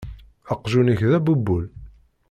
Aqjun-ik d abubul.